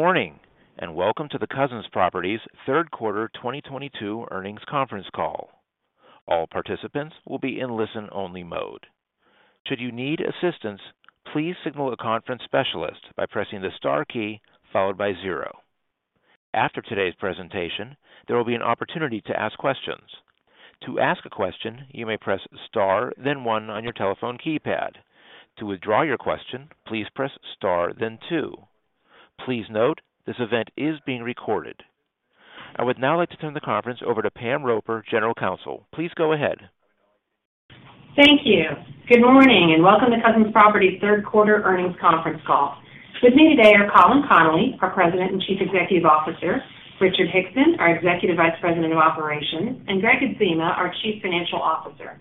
Good morning, and welcome to the Cousins Properties third quarter 2022 earnings conference call. All participants will be in listen-only mode. Should you need assistance, please signal a conference specialist by pressing the star key followed by zero. After today's presentation, there will be an opportunity to ask questions. To ask a question, you may press star then one on your telephone keypad. To withdraw your question, please press star then two. Please note, this event is being recorded. I would now like to turn the conference over to Pamela Roper, General Counsel. Please go ahead. Thank you. Good morning, and welcome to Cousins Properties third quarter earnings conference call. With me today are Colin Connolly, our President and Chief Executive Officer, Richard Hickson, our Executive Vice President of Operations, and Gregg Adzema, our Chief Financial Officer.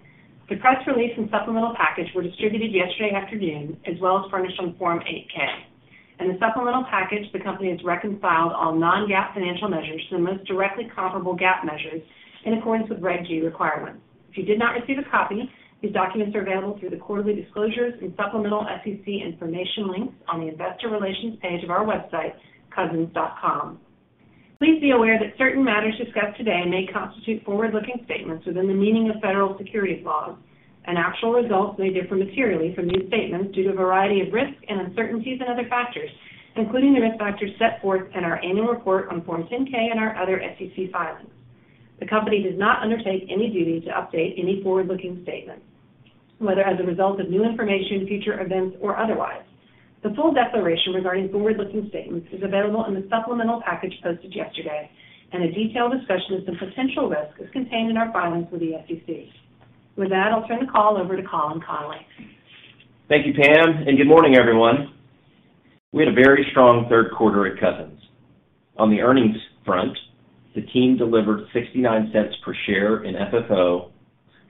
The press release and supplemental package were distributed yesterday afternoon, as well as furnished on Form 8-K. In the supplemental package, the company has reconciled all non-GAAP financial measures to the most directly comparable GAAP measures in accordance with Regulation G requirements. If you did not receive a copy, these documents are available through the Quarterly Disclosures and Supplemental SEC information links on the Investor Relations page of our website, cousins.com. Please be aware that certain matters discussed today may constitute forward-looking statements within the meaning of federal securities laws, and actual results may differ materially from these statements due to a variety of risks and uncertainties and other factors, including the risk factors set forth in our annual report on Form 10-K and our other SEC filings. The company does not undertake any duty to update any forward-looking statement, whether as a result of new information, future events, or otherwise. The full declaration regarding forward-looking statements is available in the supplemental package posted yesterday, and a detailed discussion of the potential risk is contained in our filings with the SEC. With that, I'll turn the call over to Colin Connolly. Thank you, Pam, and good morning, everyone. We had a very strong third quarter at Cousins. On the earnings front, the team delivered $0.69 per share in FFO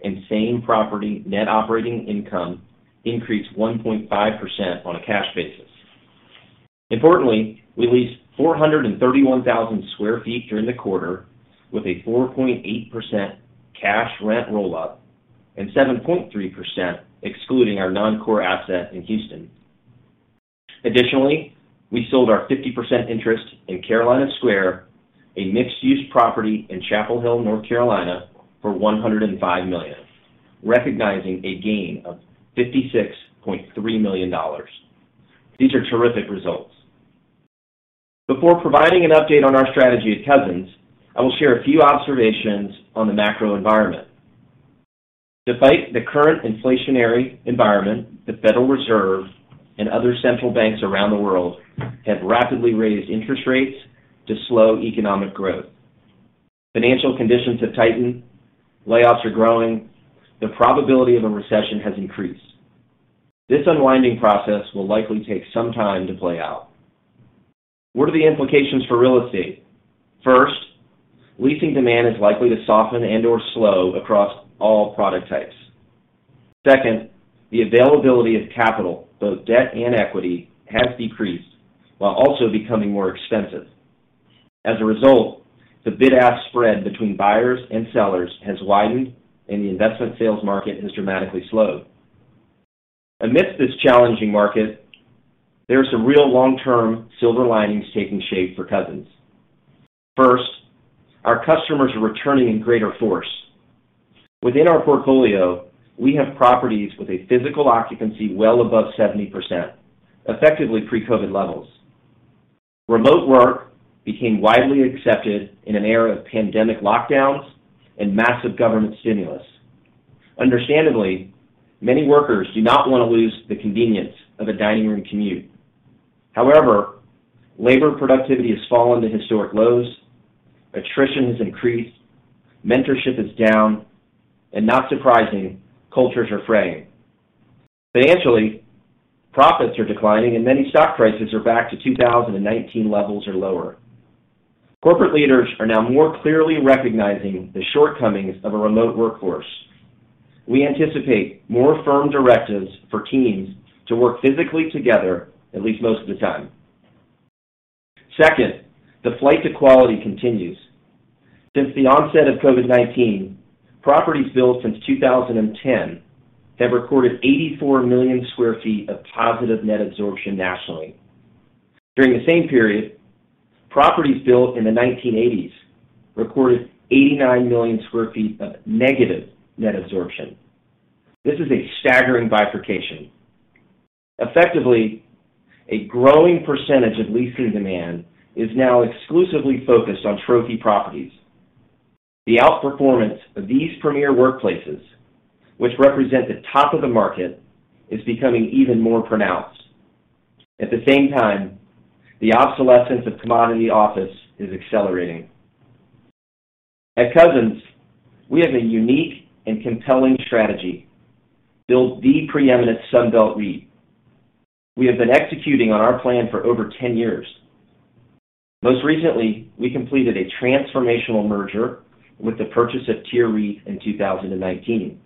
and same property net operating income increased 1.5% on a cash basis. Importantly, we leased 431,000 sq ft during the quarter with a 4.8% cash rent rollout and 7.3% excluding our non-core asset in Houston. Additionally, we sold our 50% interest in Carolina Square, a mixed-use property in Chapel Hill, North Carolina, for $105 million, recognizing a gain of $56.3 million. These are terrific results. Before providing an update on our strategy at Cousins, I will share a few observations on the macro environment. Despite the current inflationary environment, the Federal Reserve and other central banks around the world have rapidly raised interest rates to slow economic growth. Financial conditions have tightened. Layoffs are growing. The probability of a recession has increased. This unwinding process will likely take some time to play out. What are the implications for real estate? First, leasing demand is likely to soften and/or slow across all product types. Second, the availability of capital, both debt and equity, has decreased while also becoming more expensive. As a result, the bid-ask spread between buyers and sellers has widened and the investment sales market has dramatically slowed. Amidst this challenging market, there are some real long-term silver linings taking shape for Cousins. First, our customers are returning in greater force. Within our portfolio, we have properties with a physical occupancy well above 70%, effectively pre-COVID levels. Remote work became widely accepted in an era of pandemic lockdowns and massive government stimulus. Understandably, many workers do not want to lose the convenience of a dining room commute. However, labor productivity has fallen to historic lows, attrition has increased, mentorship is down, and not surprising, cultures are fraying. Financially, profits are declining and many stock prices are back to 2019 levels or lower. Corporate leaders are now more clearly recognizing the shortcomings of a remote workforce. We anticipate more firm directives for teams to work physically together at least most of the time. Second, the flight to quality continues. Since the onset of COVID-19, properties built since 2010 have recorded 84 million sq ft of positive net absorption nationally. During the same period, properties built in the 1980s recorded 89 million sq ft of negative net absorption. This is a staggering bifurcation. Effectively, a growing percentage of leasing demand is now exclusively focused on trophy properties. The outperformance of these premier workplaces, which represent the top of the market, is becoming even more pronounced. At the same time, the obsolescence of commodity office is accelerating. At Cousins, we have a unique and compelling strategy, build the preeminent Sun Belt REIT. We have been executing on our plan for over 10 years. Most recently, we completed a transformational merger with the purchase of TIER REIT in 2019.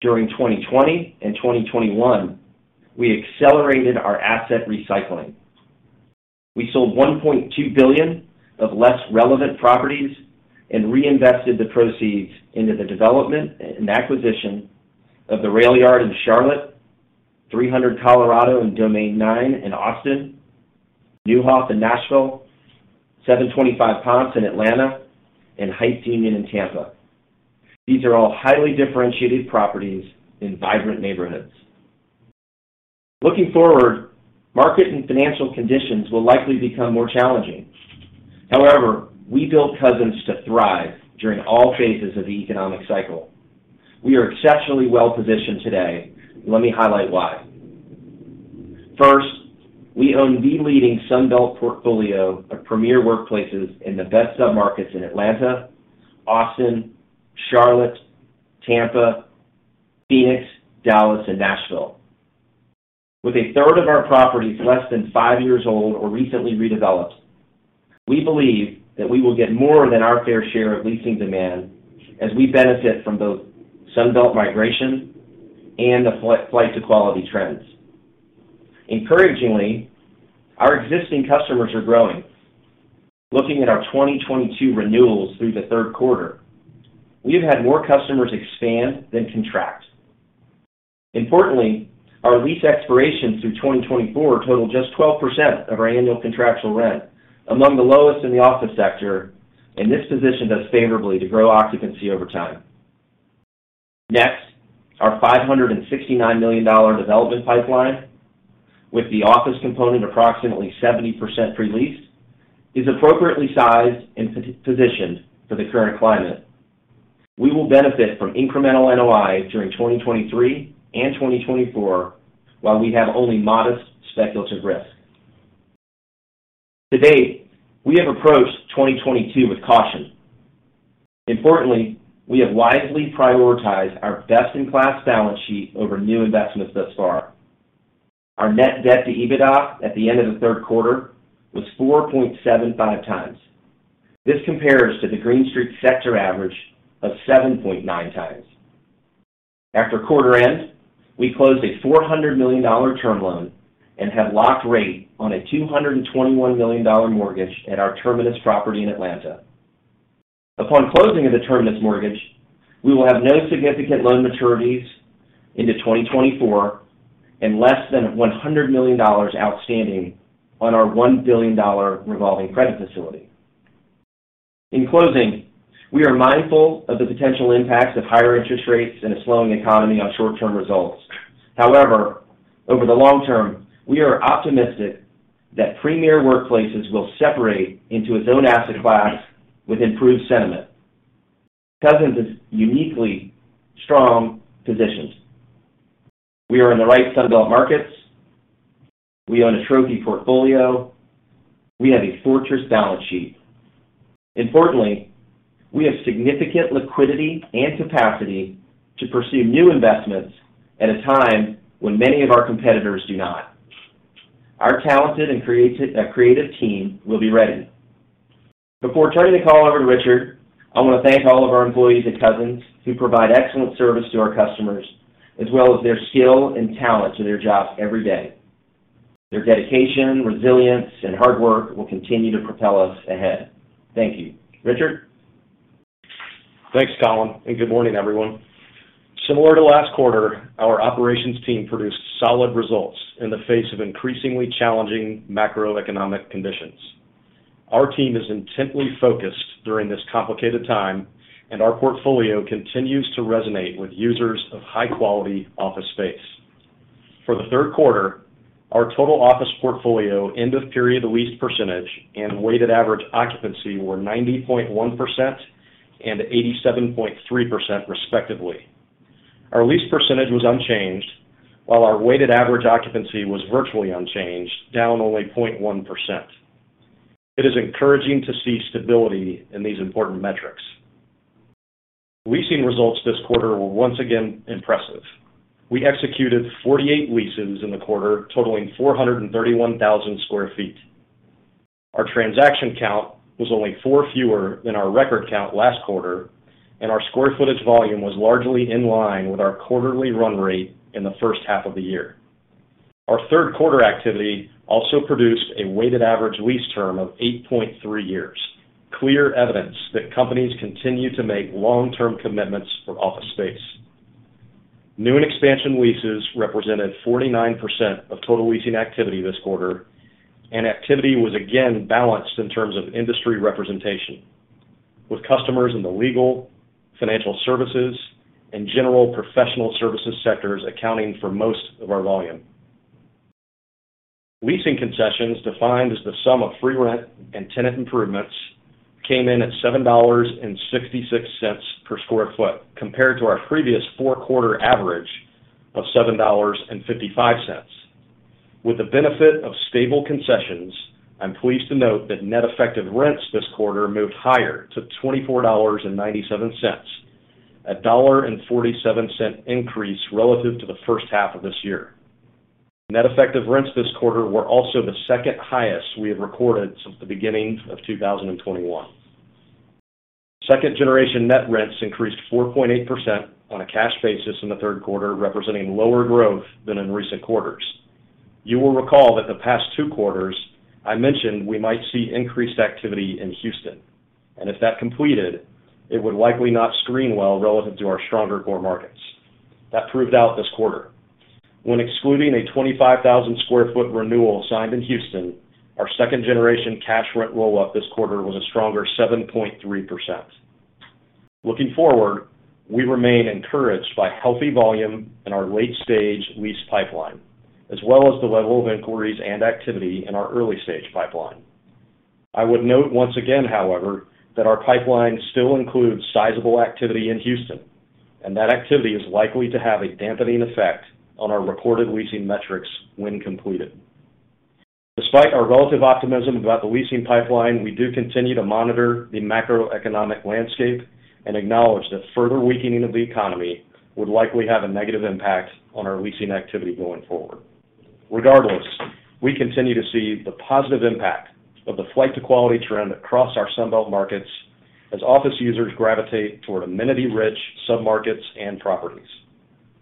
During 2020 and 2021, we accelerated our asset recycling. We sold $1.2 billion of less relevant properties and reinvested the proceeds into the development and acquisition of the Railyard in Charlotte, 300 Colorado and Domain 9 in Austin, Neuhoff in Nashville, 725 Ponce in Atlanta, and Heights Union in Tampa. These are all highly differentiated properties in vibrant neighborhoods. Looking forward, market and financial conditions will likely become more challenging. However, we built Cousins to thrive during all phases of the economic cycle. We are exceptionally well positioned today. Let me highlight why. First, we own the leading Sun Belt portfolio of premier workplaces in the best submarkets in Atlanta, Austin, Charlotte, Tampa, Phoenix, Dallas, and Nashville. With a third of our properties less than five years old or recently redeveloped, we believe that we will get more than our fair share of leasing demand as we benefit from both Sun Belt migration and the flight to quality trends. Encouragingly, our existing customers are growing. Looking at our 2022 renewals through the third quarter, we have had more customers expand than contract. Importantly, our lease expirations through 2024 total just 12% of our annual contractual rent, among the lowest in the office sector, and this positions us favorably to grow occupancy over time. Next, our $569 million development pipeline, with the office component approximately 70% pre-leased, is appropriately sized and positioned for the current climate. We will benefit from incremental NOI during 2023 and 2024 while we have only modest speculative risk. To date, we have approached 2022 with caution. Importantly, we have wisely prioritized our best-in-class balance sheet over new investments thus far. Our Net Debt to EBITDA at the end of the third quarter was 4.75 times. This compares to the Green Street sector average of 7.9 times. After quarter end, we closed a $400 million term loan and have locked rate on a $221 million mortgage at our Terminus property in Atlanta. Upon closing of the Terminus mortgage, we will have no significant loan maturities into 2024 and less than $100 million outstanding on our $1 billion revolving credit facility. In closing, we are mindful of the potential impacts of higher interest rates and a slowing economy on short-term results. However, over the long term, we are optimistic that premier workplaces will separate into its own asset class with improved sentiment. Cousins is uniquely strong positioned. We are in the right Sun Belt markets. We own a trophy portfolio. We have a fortress balance sheet. Importantly, we have significant liquidity and capacity to pursue new investments at a time when many of our competitors do not. Our talented and creative team will be ready. Before turning the call over to Richard Hickson, I want to thank all of our employees at Cousins who provide excellent service to our customers, as well as their skill and talent to their jobs every day. Their dedication, resilience, and hard work will continue to propel us ahead. Thank you. Richard Hickson? Thanks, Colin, and good morning, everyone. Similar to last quarter, our operations team produced solid results in the face of increasingly challenging macroeconomic conditions. Our team is intently focused during this complicated time, and our portfolio continues to resonate with users of high-quality office space. For the third quarter, our total office portfolio end-of-period leased percentage and weighted average occupancy were 90.1% and 87.3% respectively. Our leased percentage was unchanged, while our weighted average occupancy was virtually unchanged, down only 0.1%. It is encouraging to see stability in these important metrics. Leasing results this quarter were once again impressive. We executed 48 leases in the quarter, totaling 431,000 sq ft. Our transaction count was only 4 fewer than our record count last quarter, and our square footage volume was largely in line with our quarterly run rate in the first half of the year. Our third quarter activity also produced a weighted average lease term of 8.3 years, clear evidence that companies continue to make long-term commitments for office space. New and expansion leases represented 49% of total leasing activity this quarter, and activity was again balanced in terms of industry representation, with customers in the legal, financial services, and general professional services sectors accounting for most of our volume. Leasing concessions, defined as the sum of free rent and tenant improvements, came in at $7.66 per sq ft, compared to our previous 4-quarter average of $7.55. With the benefit of stable concessions, I'm pleased to note that Net Effective Rents this quarter moved higher to $24.97, a $1.47 increase relative to the first half of this year. Net Effective Rents this quarter were also the second highest we have recorded since the beginning of 2021. Second-Generation Net Rents increased 4.8% on a cash basis in the third quarter, representing lower growth than in recent quarters. You will recall that the past two quarters I mentioned we might see increased activity in Houston, and if that completed, it would likely not screen well relative to our stronger core markets. That proved out this quarter. When excluding a 25,000 sq ft renewal signed in Houston, our second-generation cash rent roll up this quarter was a stronger 7.3%. Looking forward, we remain encouraged by healthy volume in our late stage lease pipeline, as well as the level of inquiries and activity in our early stage pipeline. I would note once again, however, that our pipeline still includes sizable activity in Houston, and that activity is likely to have a dampening effect on our reported leasing metrics when completed. Despite our relative optimism about the leasing pipeline, we do continue to monitor the macroeconomic landscape and acknowledge that further weakening of the economy would likely have a negative impact on our leasing activity going forward. Regardless, we continue to see the positive impact of the flight to quality trend across our Sun Belt markets as office users gravitate toward amenity-rich submarkets and properties.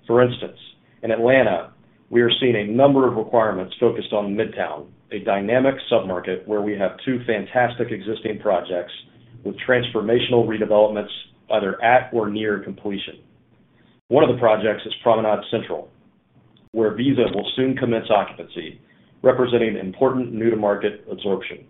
For instance, in Atlanta, we are seeing a number of requirements focused on Midtown, a dynamic submarket where we have two fantastic existing projects with transformational redevelopments either at or near completion. One of the projects is Promenade Central, where Visa will soon commence occupancy, representing important new to market absorption.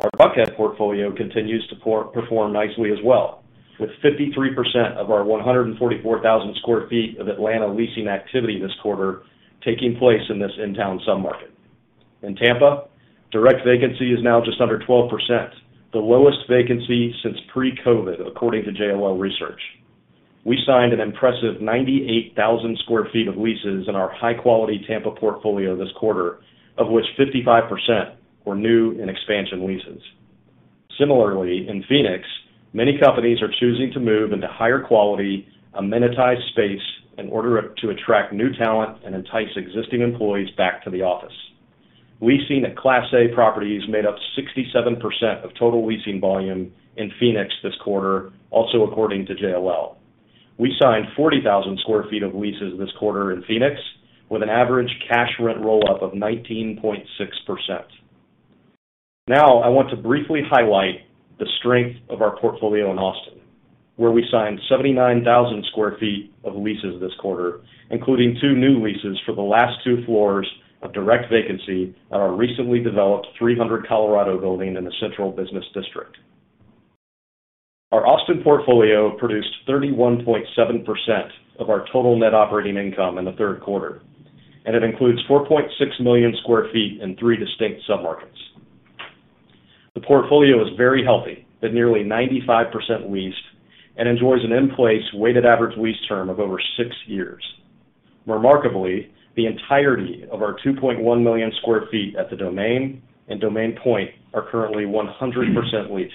Our Buckhead portfolio continues to perform nicely as well, with 53% of our 144,000 sq ft of Atlanta leasing activity this quarter taking place in this in-town submarket. In Tampa, direct vacancy is now just under 12%, the lowest vacancy since pre-COVID, according to JLL Research. We signed an impressive 98,000 sq ft of leases in our high-quality Tampa portfolio this quarter, of which 55% were new and expansion leases. Similarly, in Phoenix, many companies are choosing to move into higher quality amenitized space in order to attract new talent and entice existing employees back to the office. Leasing at Class A properties made up 67% of total leasing volume in Phoenix this quarter, also according to JLL. We signed 40,000 sq ft of leases this quarter in Phoenix with an average cash rent roll up of 19.6%. Now I want to briefly highlight the strength of our portfolio in Austin, where we signed 79,000 sq ft of leases this quarter, including two new leases for the last two floors of direct vacancy at our recently developed 300 Colorado building in the Central Business District. Our Austin portfolio produced 31.7% of our total net operating income in the third quarter, and it includes 4.6 million sq ft in three distinct submarkets. The portfolio is very healthy, with nearly 95% leased and enjoys an in place weighted average lease term of over six years. Remarkably, the entirety of our 2.1 million sq ft at The Domain and Domain Point are currently 100% leased.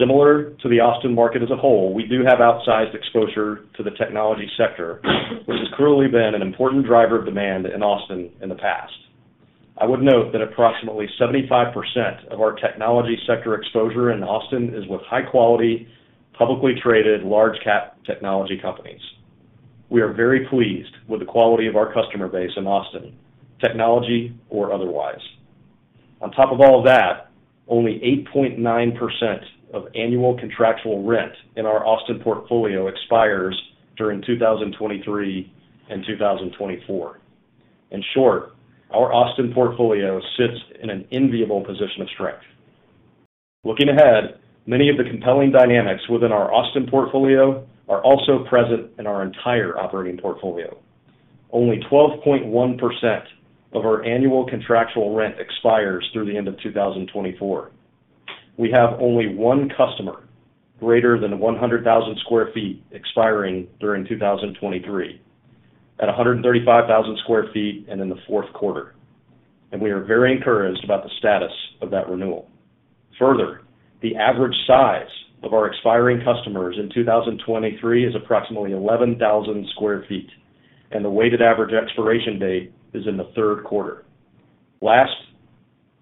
Similar to the Austin market as a whole, we do have outsized exposure to the technology sector, which has clearly been an important driver of demand in Austin in the past. I would note that approximately 75% of our technology sector exposure in Austin is with high quality, publicly traded, large cap technology companies. We are very pleased with the quality of our customer base in Austin, technology or otherwise. On top of all that, only 8.9% of annual contractual rent in our Austin portfolio expires during 2023 and 2024. In short, our Austin portfolio sits in an enviable position of strength. Looking ahead, many of the compelling dynamics within our Austin portfolio are also present in our entire operating portfolio. Only 12.1% of our annual contractual rent expires through the end of 2024. We have only one customer greater than 100,000 sq ft expiring during 2023 at 135,000 sq ft and in the fourth quarter, and we are very encouraged about the status of that renewal. Further, the average size of our expiring customers in 2023 is approximately 11,000 sq ft, and the weighted average expiration date is in the third quarter. Last,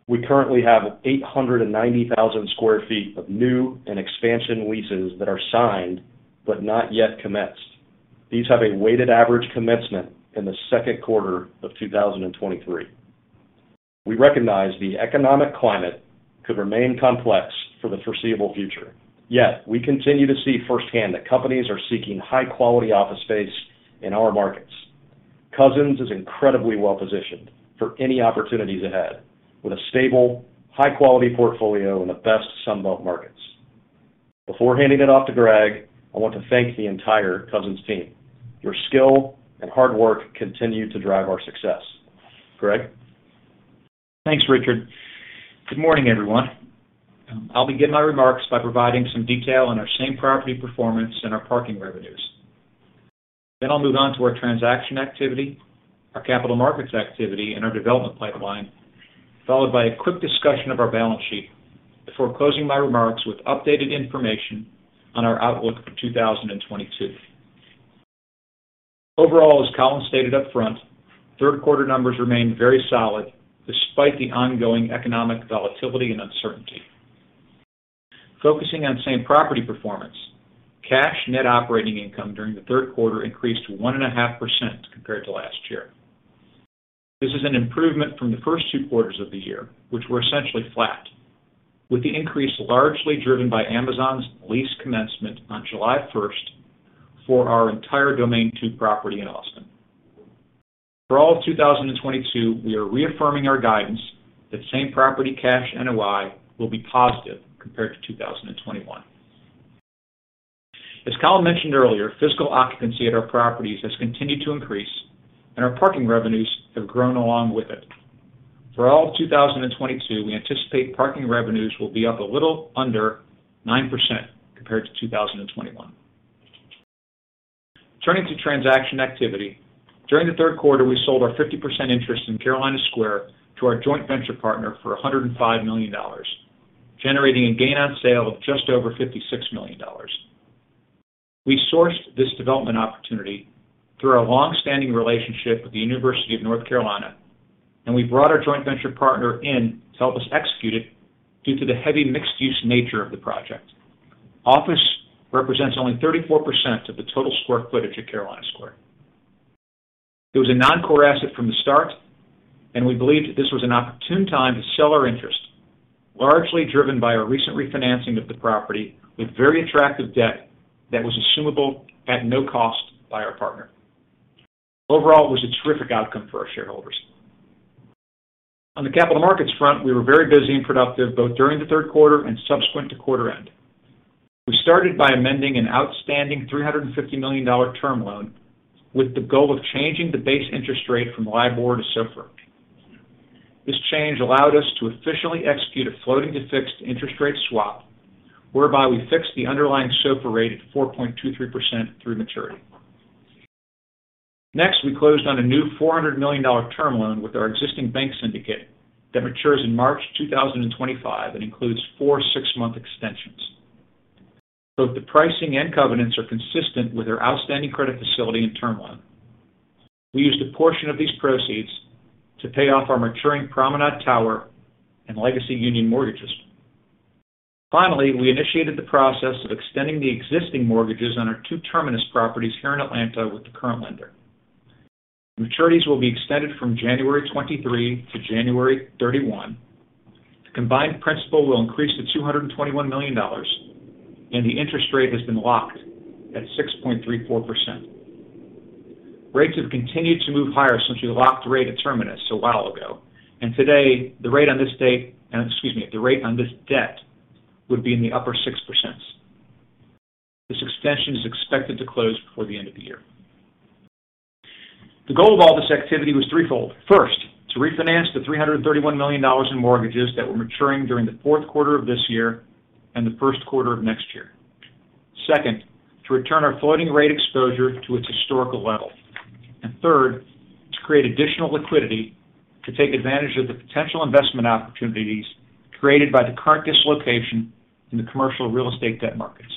we currently have 890,000 sq ft of new and expansion leases that are signed but not yet commenced. These have a weighted average commencement in the second quarter of 2023. We recognize the economic climate could remain complex for the foreseeable future. Yet, we continue to see firsthand that companies are seeking high quality office space in our markets. Cousins is incredibly well positioned for any opportunities ahead with a stable, high quality portfolio in the best Sun Belt markets. Before handing it off to Gregg, I want to thank the entire Cousins team. Your skill and hard work continue to drive our success. Gregg? Thanks, Richard. Good morning, everyone. I'll begin my remarks by providing some detail on our same-property performance and our parking revenues. Then I'll move on to our transaction activity, our capital markets activity, and our development pipeline, followed by a quick discussion of our balance sheet before closing my remarks with updated information on our outlook for 2022. Overall, as Colin stated up front, third quarter numbers remained very solid despite the ongoing economic volatility and uncertainty. Focusing on same property performance. Cash net operating income during the third quarter increased 1.5% compared to last year. This is an improvement from the first two quarters of the year, which were essentially flat, with the increase largely driven by Amazon's lease commencement on July 1 for our entire Domain 2 property in Austin. For all of 2022, we are reaffirming our guidance that same-property cash NOI will be positive compared to 2021. As Colin mentioned earlier, physical occupancy at our properties has continued to increase, and our parking revenues have grown along with it. For all of 2022, we anticipate parking revenues will be up a little under 9% compared to 2021. Turning to transaction activity. During the third quarter, we sold our 50% interest in Carolina Square to our joint venture partner for $105 million, generating a gain on sale of just over $56 million. We sourced this development opportunity through our long-standing relationship with the University of North Carolina, and we brought our joint venture partner in to help us execute it due to the heavy mixed use nature of the project. Office represents only 34% of the total square footage at Carolina Square. It was a non-core asset from the start, and we believed that this was an opportune time to sell our interest, largely driven by our recent refinancing of the property with very attractive debt that was assumable at no cost by our partner. Overall, it was a terrific outcome for our shareholders. On the capital markets front, we were very busy and productive, both during the third quarter and subsequent to quarter end. We started by amending an outstanding $350 million term loan with the goal of changing the base interest rate from LIBOR to SOFR. This change allowed us to officially execute a floating to fixed interest rate swap, whereby we fixed the underlying SOFR rate at 4.23% through maturity. Next, we closed on a new $400 million term loan with our existing bank syndicate that matures in March 2025 and includes four six-month extensions. Both the pricing and covenants are consistent with our outstanding credit facility and term loan. We used a portion of these proceeds to pay off our maturing Promenade Tower and Legacy Union mortgages. Finally, we initiated the process of extending the existing mortgages on our two Terminus properties here in Atlanta with the current lender. Maturities will be extended from January 2023 to January 2031. The combined principal will increase to $221 million, and the interest rate has been locked at 6.34%. Rates have continued to move higher since we locked the rate at Terminus a while ago, and today the rate on this debt would be in the upper 6%. This extension is expected to close before the end of the year. The goal of all this activity was threefold. First, to refinance the $331 million in mortgages that were maturing during the fourth quarter of this year and the first quarter of next year. Second, to return our floating rate exposure to its historical level. Third, to create additional liquidity to take advantage of the potential investment opportunities created by the current dislocation in the commercial real estate debt markets.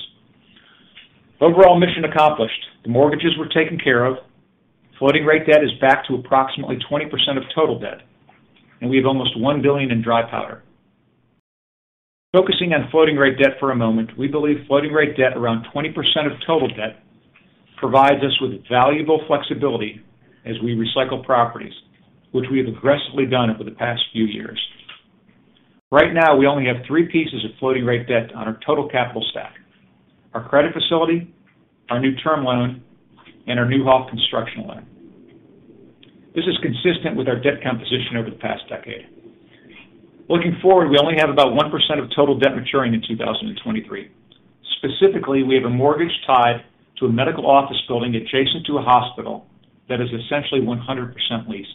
Overall, mission accomplished. The mortgages were taken care of. Floating rate debt is back to approximately 20% of total debt, and we have almost $1 billion in dry powder. Focusing on floating rate debt for a moment. We believe floating rate debt around 20% of total debt provides us with valuable flexibility as we recycle properties, which we have aggressively done over the past few years. Right now, we only have 3 pieces of floating rate debt on our total capital stack: our credit facility, our new term loan, and our new Neuhoff construction loan. This is consistent with our debt composition over the past decade. Looking forward, we only have about 1% of total debt maturing in 2023. Specifically, we have a mortgage tied to a medical office building adjacent to a hospital that is essentially 100% leased.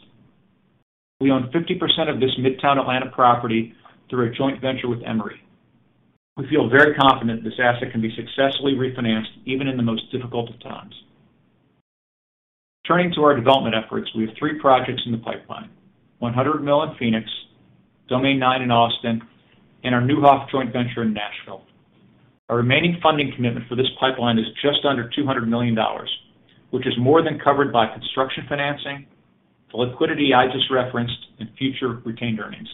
We own 50% of this Midtown Atlanta property through a joint venture with Emory University. We feel very confident this asset can be successfully refinanced even in the most difficult of times. Turning to our development efforts, we have three projects in the pipeline. 100 Mill in Phoenix, Domain 9 in Austin, and our new Neuhoff joint venture in Nashville. Our remaining funding commitment for this pipeline is just under $200 million, which is more than covered by construction financing, the liquidity I just referenced, and future retained earnings.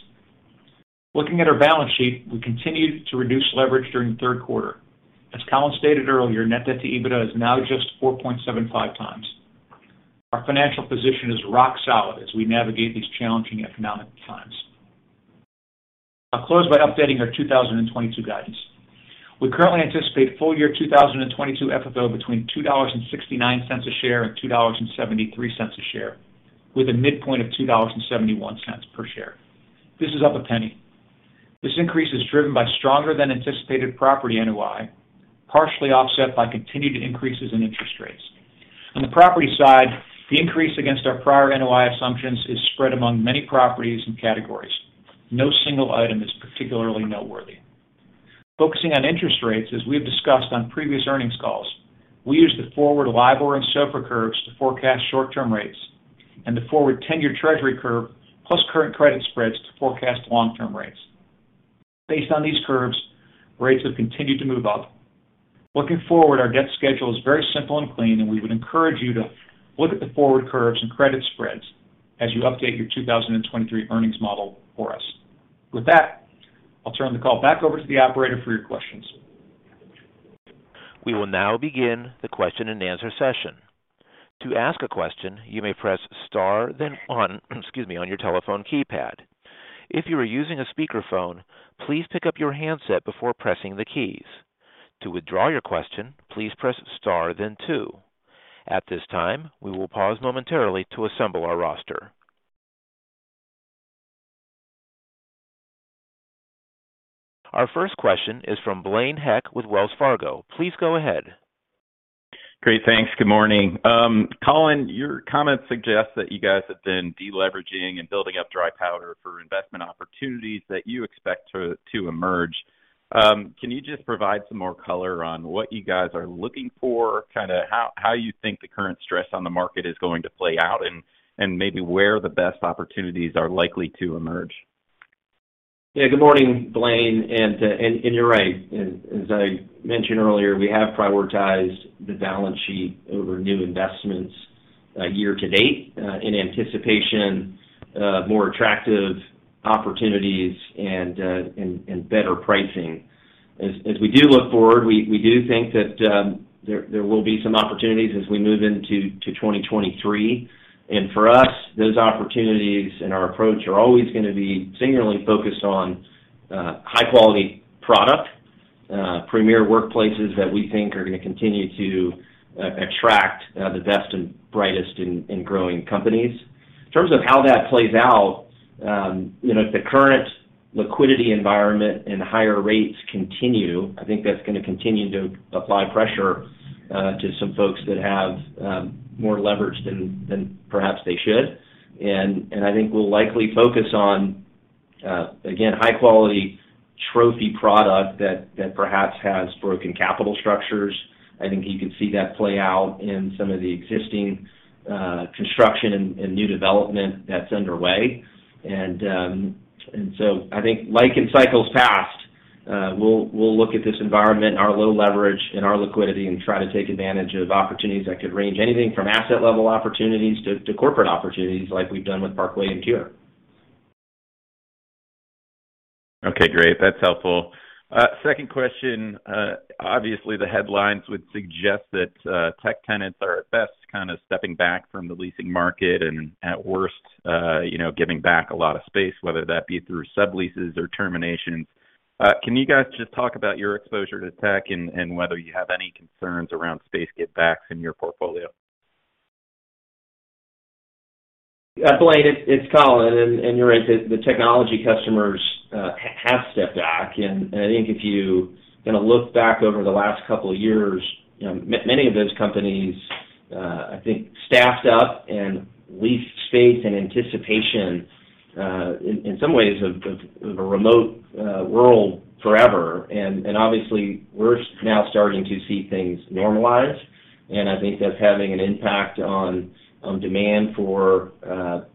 Looking at our balance sheet, we continued to reduce leverage during the third quarter. As Colin stated earlier, Net Debt to EBITDA is now just 4.75 times. Our financial position is rock solid as we navigate these challenging economic times. I'll close by updating our 2022 guidance. We currently anticipate full year 2022 FFO between $2.69 a share and $2.73 a share, with a midpoint of $2.71 per share. This is up a penny. This increase is driven by stronger than anticipated property NOI, partially offset by continued increases in interest rates. On the property side, the increase against our prior NOI assumptions is spread among many properties and categories. No single item is particularly noteworthy. Focusing on interest rates, as we have discussed on previous earnings calls, we use the forward LIBOR and SOFR curves to forecast short-term rates and the forward 10-year Treasury curve plus current credit spreads to forecast long-term rates. Based on these curves, rates have continued to move up. Looking forward, our debt schedule is very simple and clean, and we would encourage you to look at the forward curves and credit spreads as you update your 2023 earnings model for us. With that, I'll turn the call back over to the operator for your questions. We will now begin the question-and-answer session. To ask a question, you may press star, then one on your telephone keypad. If you are using a speakerphone, please pick up your handset before pressing the keys. To withdraw your question, please press star, then two. At this time, we will pause momentarily to assemble our roster. Our first question is from Blaine Heck with Wells Fargo. Please go ahead. Great. Thanks. Good morning. Colin, your comments suggest that you guys have been de-leveraging and building up dry powder for investment opportunities that you expect to emerge. Can you just provide some more color on what you guys are looking for, kinda how you think the current stress on the market is going to play out, and maybe where the best opportunities are likely to emerge? Yeah. Good morning, Blaine. You're right. As I mentioned earlier, we have prioritized the balance sheet over new investments year to date in anticipation of more attractive opportunities and better pricing. As we do look forward, we do think that there will be some opportunities as we move into 2023. For us, those opportunities and our approach are always gonna be singularly focused on high quality product premier workplaces that we think are gonna continue to attract the best and brightest in growing companies. In terms of how that plays out, you know, if the current liquidity environment and higher rates continue, I think that's gonna continue to apply pressure to some folks that have more leverage than perhaps they should. I think we'll likely focus on again, high quality trophy product that perhaps has broken capital structures. I think you can see that play out in some of the existing construction and new development that's underway. I think like in cycles past, we'll look at this environment, our low leverage and our liquidity, and try to take advantage of opportunities that could range anything from asset level opportunities to corporate opportunities like we've done with Parkway and TIER. Okay. Great. That's helpful. Second question. Obviously, the headlines would suggest that tech tenants are at best kinda stepping back from the leasing market and, at worst, you know, giving back a lot of space, whether that be through subleases or terminations. Can you guys just talk about your exposure to tech and whether you have any concerns around space givebacks in your portfolio? Blaine, it's Colin, and you're right. The technology customers have stepped back. I think if you kinda look back over the last couple of years, you know, many of those companies, I think staffed up and leased space in anticipation, in some ways of a remote world forever. Obviously, we're now starting to see things normalize, and I think that's having an impact on demand for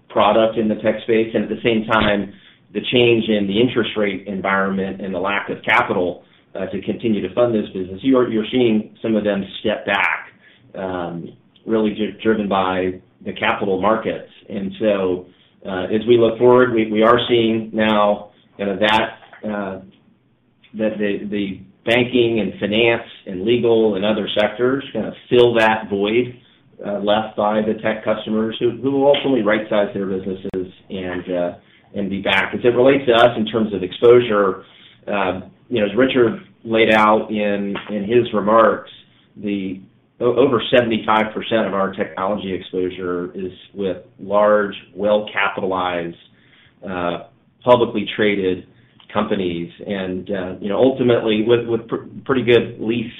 product in the tech space. At the same time, the change in the interest rate environment and the lack of capital to continue to fund this business. You're seeing some of them step back, really driven by the capital markets. As we look forward, we are seeing now, you know, that the banking and finance and legal and other sectors kinda fill that void left by the tech customers who will ultimately right-size their businesses and be back. As it relates to us in terms of exposure, you know, as Richard laid out in his remarks, over 75% of our technology exposure is with large, well-capitalized, publicly traded companies, and you know, ultimately with pretty good lease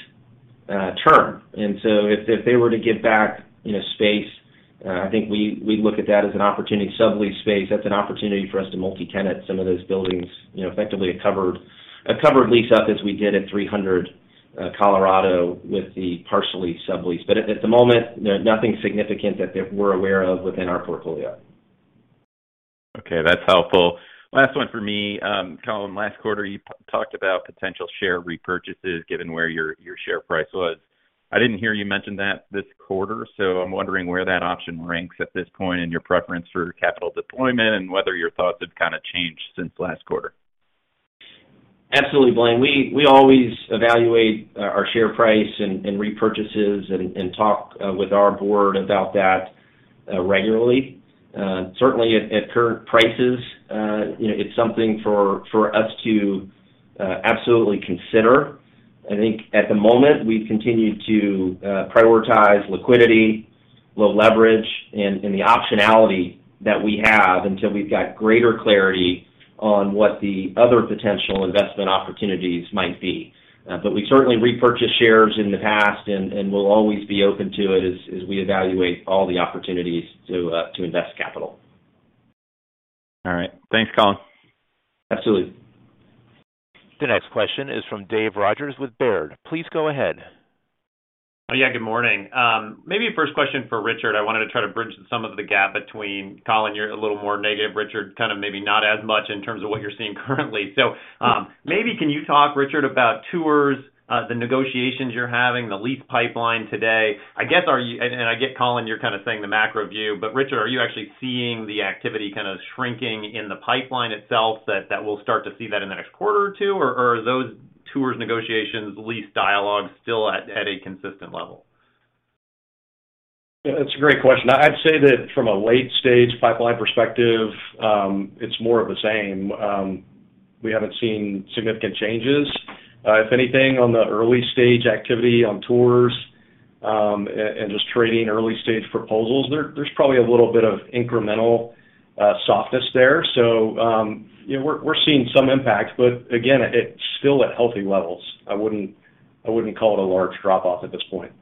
term. If they were to give back, you know, space, I think we look at that as an opportunity. Sublease space, that's an opportunity for us to multi-tenant some of those buildings, you know, effectively a covered lease up as we did at 300 Colorado with the partially sublease. But at the moment, there's nothing significant that we're aware of within our portfolio. Okay. That's helpful. Last one for me. Colin, last quarter, you talked about potential share repurchases given where your share price was. I didn't hear you mention that this quarter, so I'm wondering where that option ranks at this point in your preference for capital deployment and whether your thoughts have kinda changed since last quarter. Absolutely, Blaine. We always evaluate our share price and repurchases and talk with our board about that regularly. Certainly at current prices, you know, it's something for us to absolutely consider. I think at the moment, we've continued to prioritize liquidity, low leverage, and the optionality that we have until we've got greater clarity on what the other potential investment opportunities might be. We certainly repurchased shares in the past and we'll always be open to it as we evaluate all the opportunities to invest capital. All right. Thanks, Colin. Absolutely. The next question is from David Rodgers with Baird. Please go ahead. Oh, yeah, good morning. Maybe first question for Richard. I wanted to try to bridge some of the gap between Colin. You're a little more negative, Richard, kind of maybe not as much in terms of what you're seeing currently. Maybe can you talk, Richard, about tours, the negotiations you're having, the lease pipeline today? I guess. I get, Colin, you're kind of saying the macro view. Richard, are you actually seeing the activity kind of shrinking in the pipeline itself that we'll start to see that in the next quarter or two? Or are those tours, negotiations, lease dialogues still at a consistent level? Yeah. That's a great question. I'd say that from a late-stage pipeline perspective, it's more of the same. We haven't seen significant changes. If anything, on the early stage activity on tours, and just trading early-stage proposals, there's probably a little bit of incremental softness there. Yeah, we're seeing some impact, but again, it's still at healthy levels. I wouldn't call it a large drop-off at this point.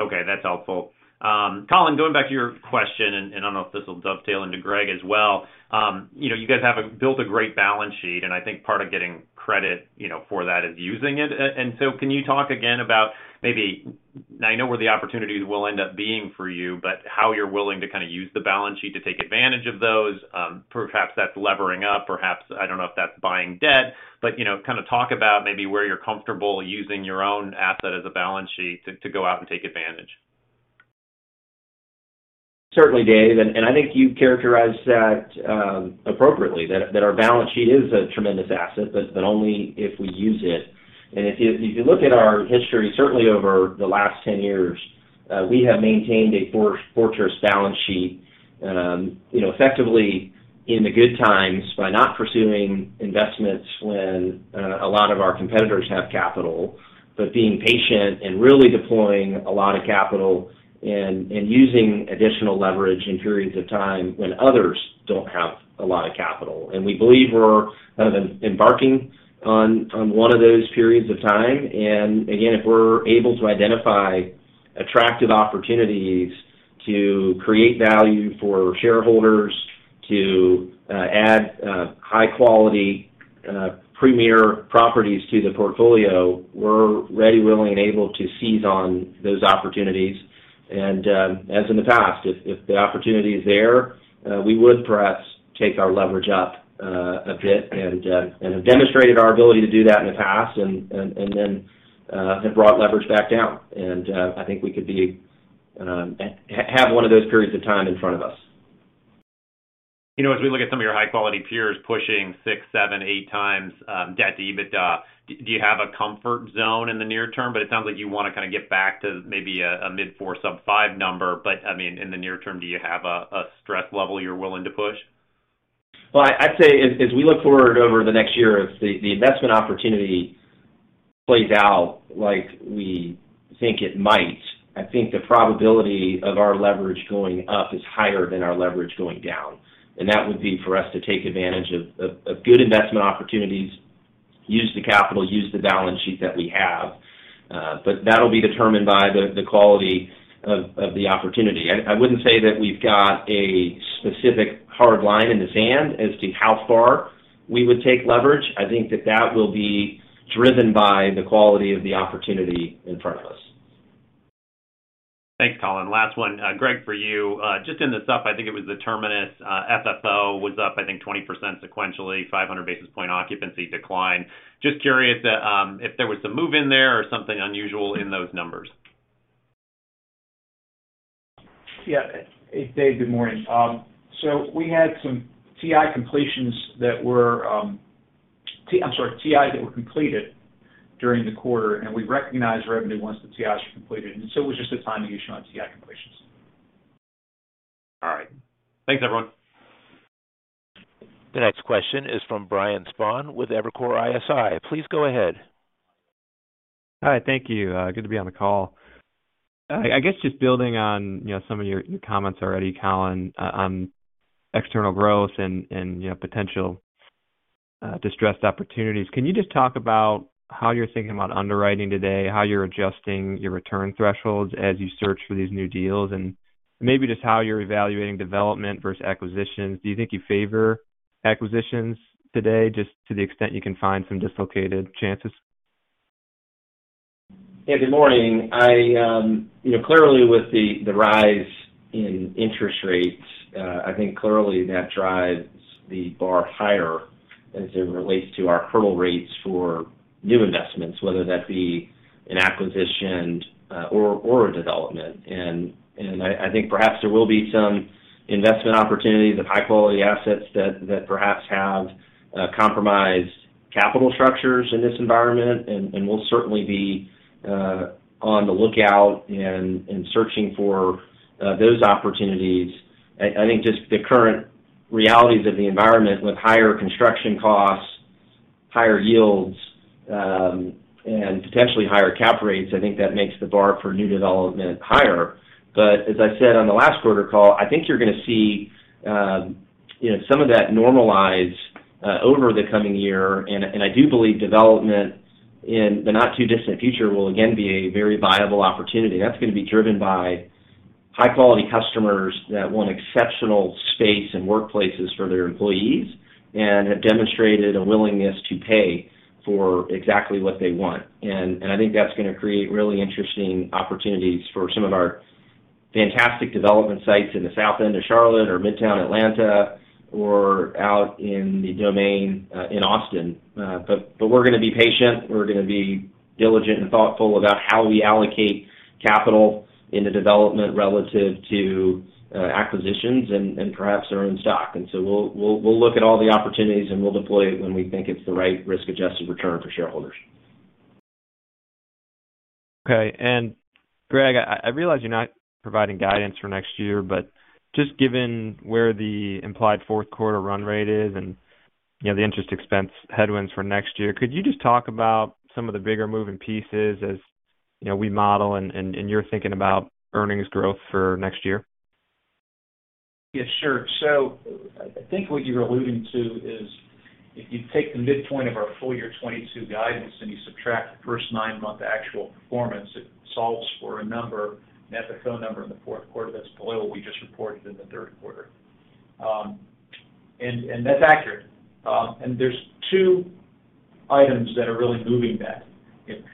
Okay, that's helpful. Colin, going back to your question, and I don't know if this will dovetail into Gregg as well. You know, you guys have built a great balance sheet, and I think part of getting credit, you know, for that is using it. Can you talk again about maybe now I know where the opportunities will end up being for you, but how you're willing to kind of use the balance sheet to take advantage of those. Perhaps that's levering up, perhaps I don't know if that's buying debt. You know, kind of talk about maybe where you're comfortable using your own asset as a balance sheet to go out and take advantage. Certainly, Dave. I think you've characterized that appropriately, that our balance sheet is a tremendous asset, but only if we use it. If you look at our history, certainly over the last 10 years, we have maintained a fortress balance sheet, you know, effectively in the good times by not pursuing investments when a lot of our competitors have capital, but being patient and really deploying a lot of capital and using additional leverage in periods of time when others don't have a lot of capital. We believe we're kind of embarking on one of those periods of time. Again, if we're able to identify attractive opportunities to create value for shareholders to add high quality premier properties to the portfolio, we're ready, willing, and able to seize on those opportunities. As in the past, if the opportunity is there, we would perhaps take our leverage up a bit. We have demonstrated our ability to do that in the past and then have brought leverage back down. I think we could have one of those periods of time in front of us. You know, as we look at some of your high-quality peers pushing 6x, 7x, 8x debt to EBITDA, do you have a comfort zone in the near term? It sounds like you wanna kind of get back to maybe a mid-4x, sub-5x number. I mean, in the near term, do you have a stress level you're willing to push? Well, I'd say as we look forward over the next year, if the investment opportunity plays out like we think it might, I think the probability of our leverage going up is higher than our leverage going down. That would be for us to take advantage of good investment opportunities, use the capital, use the balance sheet that we have. But that'll be determined by the quality of the opportunity. I wouldn't say that we've got a specific hard line in the sand as to how far we would take leverage. I think that will be driven by the quality of the opportunity in front of us. Thanks, Colin. Last one, Gregg, for you. Just in the supplemental, FFO was up, I think 20% sequentially, 500 basis point occupancy decline. Just curious, if there was some move in there or something unusual in those numbers. Yeah. Hey, Dave, good morning. So we had some TI that were completed during the quarter, and we recognized revenue once the TIs were completed. It was just a timing issue on TI completions. All right. Thanks, everyone. The next question is from Brian Spahn with Evercore ISI. Please go ahead. Hi. Thank you. Good to be on the call. I guess just building on, you know, some of your comments already, Colin, on external growth and, you know, potential distressed opportunities. Can you just talk about how you're thinking about underwriting today, how you're adjusting your return thresholds as you search for these new deals, and maybe just how you're evaluating development versus acquisitions? Do you think you favor acquisitions today just to the extent you can find some dislocated chances? Yeah. Good morning. You know, clearly with the rise in interest rates, I think clearly that drives the bar higher as it relates to our hurdle rates for new investments, whether that be an acquisition or a development. I think perhaps there will be some investment opportunities of high-quality assets that perhaps have compromised capital structures in this environment, and we'll certainly be on the lookout and searching for those opportunities. I think just the current realities of the environment with higher construction costs, higher yields, and potentially higher cap rates, I think that makes the bar for new development higher. As I said on the last quarter call, I think you're gonna see, you know, some of that normalize over the coming year. I do believe development in the not too distant future will again be a very viable opportunity. That's gonna be driven by High quality customers that want exceptional space and workplaces for their employees and have demonstrated a willingness to pay for exactly what they want. I think that's gonna create really interesting opportunities for some of our fantastic development sites in the south end of Charlotte or Midtown Atlanta or out in The Domain in Austin. We're gonna be patient. We're gonna be diligent and thoughtful about how we allocate capital into development relative to acquisitions and perhaps our own stock. We'll look at all the opportunities, and we'll deploy it when we think it's the right risk-adjusted return for shareholders. Okay. Gregg, I realize you're not providing guidance for next year, but just given where the implied fourth quarter run rate is and, you know, the interest expense headwinds for next year, could you just talk about some of the bigger moving pieces as, you know, we model and you're thinking about earnings growth for next year? Yes, sure. I think what you're alluding to is if you take the midpoint of our full year 2022 guidance and you subtract the first nine-month actual performance, it solves for a number, and that's a Q4 number in the fourth quarter that's below what we just reported in the third quarter. And that's accurate. There's two items that are really moving that.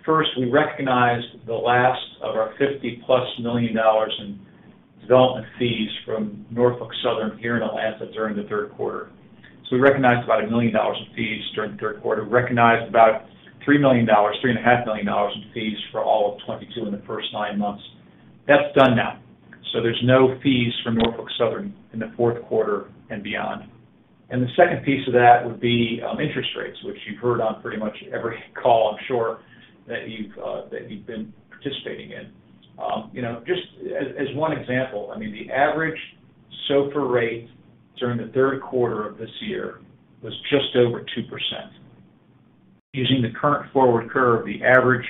First, we recognized the last of our $50+ million in development fees from Norfolk Southern here in Atlanta during the third quarter. We recognized about $1 million in fees during the third quarter, recognized about $3 million, $3.5 million in fees for all of 2022 in the first nine months. That's done now. There's no fees from Norfolk Southern in the fourth quarter and beyond. The second piece of that would be interest rates, which you've heard on pretty much every call, I'm sure, that you've been participating in. You know, just as one example, I mean, the average SOFR rate during the third quarter of this year was just over 2%. Using the current forward curve, the average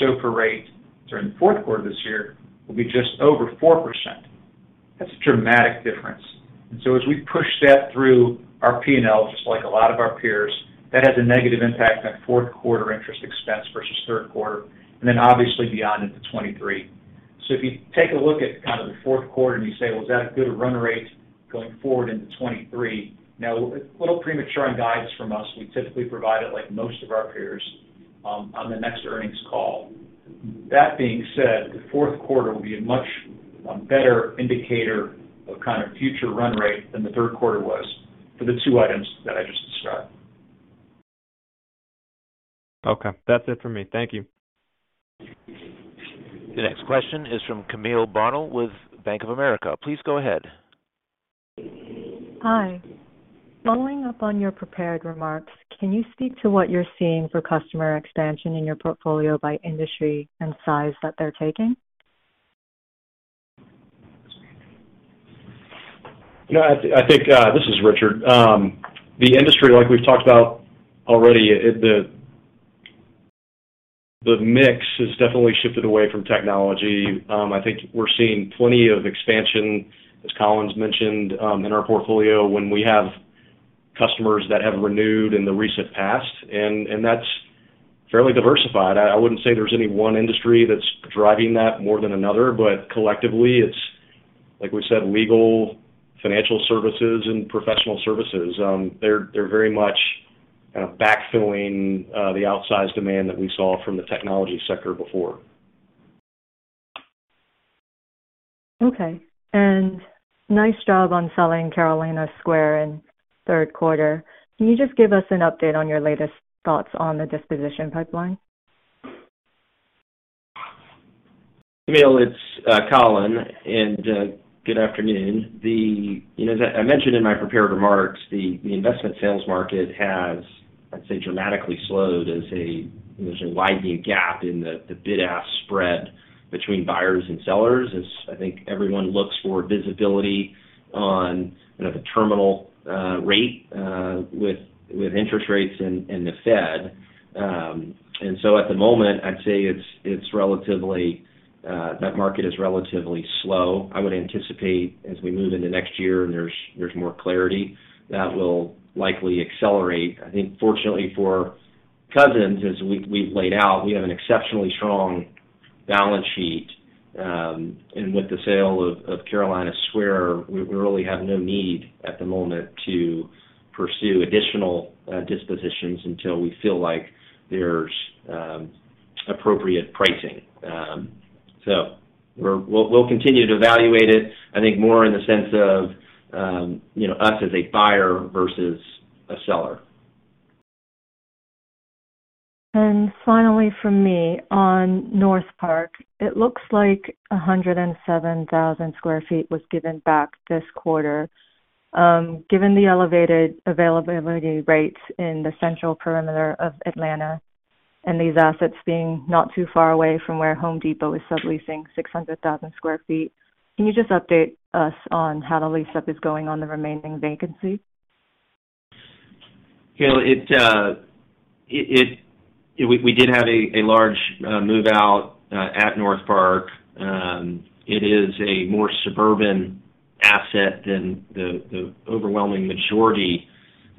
SOFR rate during the fourth quarter this year will be just over 4%. That's a dramatic difference. As we push that through our P&L, just like a lot of our peers, that has a negative impact on fourth quarter interest expense versus third quarter, and then obviously beyond into 2023. If you take a look at kind of the fourth quarter and you say, "Well, is that a good run rate going forward into 2023?" Now, a little premature on guidance from us. We typically provide it like most of our peers on the next earnings call. That being said, the fourth quarter will be a much better indicator of kind of future run rate than the third quarter was for the two items that I just described. Okay. That's it for me. Thank you. The next question is from Camille Bonnel with Bank of America. Please go ahead. Hi. Following up on your prepared remarks, can you speak to what you're seeing for customer expansion in your portfolio by industry and size that they're taking? You know, I think this is Richard. The industry, like we've talked about already, the mix has definitely shifted away from technology. I think we're seeing plenty of expansion, as Colin's mentioned, in our portfolio when we have customers that have renewed in the recent past, and that's fairly diversified. I wouldn't say there's any one industry that's driving that more than another. Collectively, it's like we said, legal, financial services, and professional services. They're very much kind of backfilling the outsized demand that we saw from the technology sector before. Okay. Nice job on selling Carolina Square in third quarter. Can you just give us an update on your latest thoughts on the disposition pipeline? Camille, it's Colin. Good afternoon. You know, as I mentioned in my prepared remarks, the investment sales market has, I'd say, dramatically slowed as a widening gap in the bid-ask spread between buyers and sellers as I think everyone looks for visibility on, you know, the terminal rate with interest rates and the Fed. At the moment, I'd say it's relatively that market is relatively slow. I would anticipate as we move into next year and there's more clarity, that will likely accelerate. I think fortunately for Cousins, as we've laid out, we have an exceptionally strong balance sheet. With the sale of Carolina Square, we really have no need at the moment to pursue additional dispositions until we feel like there's appropriate pricing. We'll continue to evaluate it, I think more in the sense of, you know, us as a buyer versus a seller. Finally from me, on NorthPark, it looks like 107,000 sq ft was given back this quarter. Given the elevated availability rates in the central perimeter of Atlanta and these assets being not too far away from where Home Depot is subleasing 600,000 sq ft, can you just update us on how the lease-up is going on the remaining vacancy? Camille, we did have a large move-out at Northpark. It is a more suburban Asset than the overwhelming majority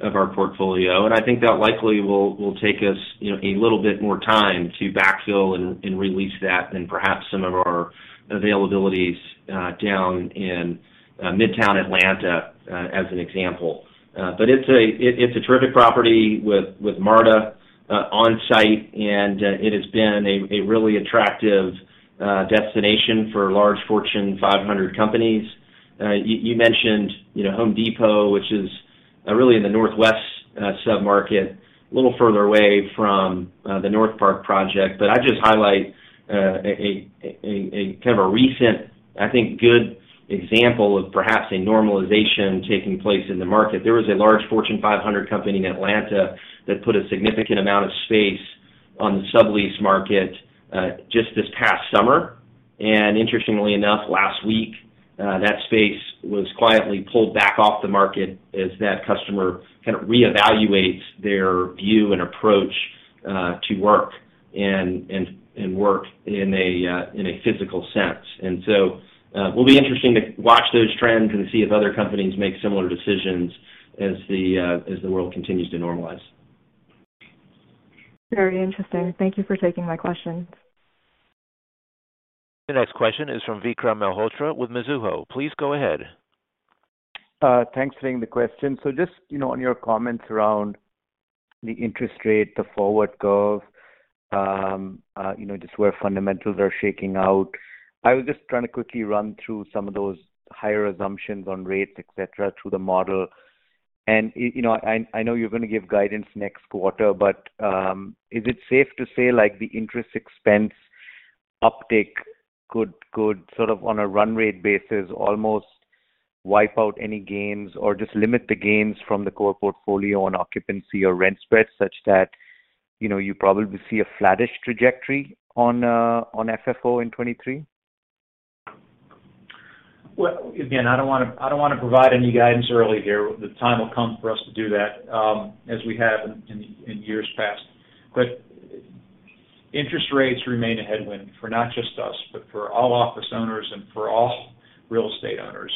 of our portfolio. I think that likely will take us, you know, a little bit more time to backfill and release that than perhaps some of our availabilities down in midtown Atlanta as an example. It's a terrific property with MARTA on site, and it has been a really attractive destination for large Fortune 500 companies. You mentioned, you know, The Home Depot, which is really in the northwest sub-market, a little further away from the NorthPark project. I'd just highlight a kind of a recent, I think, good example of perhaps a normalization taking place in the market. There was a large Fortune 500 company in Atlanta that put a significant amount of space on the sublease market just this past summer. Interestingly enough, last week that space was quietly pulled back off the market as that customer kind of reevaluates their view and approach to work and work in a physical sense. Will be interesting to watch those trends and see if other companies make similar decisions as the world continues to normalize. Very interesting. Thank you for taking my question. The next question is from Vikram Malhotra with Mizuho. Please go ahead. Thanks for taking the question. Just, you know, on your comments around the interest rate, the forward curve, you know, just where fundamentals are shaking out, I was just trying to quickly run through some of those higher assumptions on rates, et cetera, through the model. You know, I know you're gonna give guidance next quarter, but, is it safe to say like the interest expense uptick could sort of on a run rate basis almost wipe out any gains or just limit the gains from the core portfolio on occupancy or rent spreads such that, you know, you probably see a flattish trajectory on FFO in 2023? Well, again, I don't wanna provide any guidance early here. The time will come for us to do that, as we have in years past. Interest rates remain a headwind for not just us, but for all office owners and for all real estate owners.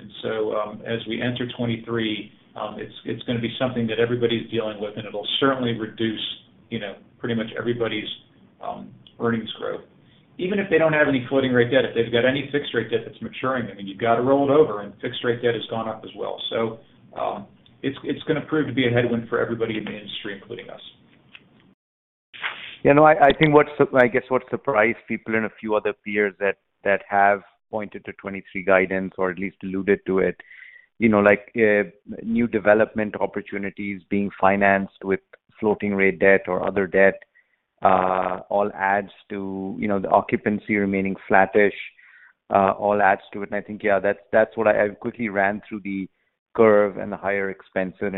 As we enter 2023, it's gonna be something that everybody's dealing with, and it'll certainly reduce, you know, pretty much everybody's earnings growth. Even if they don't have any floating rate debt, if they've got any fixed rate debt that's maturing, I mean, you've got to roll it over, and fixed rate debt has gone up as well. It's gonna prove to be a headwind for everybody in the industry, including us. You know, I think I guess what surprised people in a few other peers that have pointed to 2023 guidance or at least alluded to it, you know, like, new development opportunities being financed with floating rate debt or other debt, all adds to, you know, the occupancy remaining flattish, all adds to it. I think, yeah, that's what I quickly ran through the curve and the higher expense, and